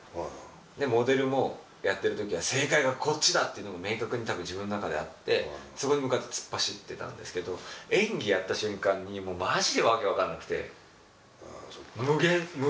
モデルもやってる時は正解がこっちだっていうのが明確にたぶん自分の中であってそこに向かって突っ走ってたんですけど演技やった瞬間にマジでわけ分かんなくて。